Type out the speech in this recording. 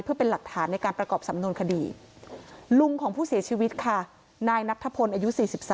เพื่อเป็นหลักฐานในการประกอบสำนวนคดีลุงของผู้เสียชีวิตค่ะนายนัทธพลอายุ๔๓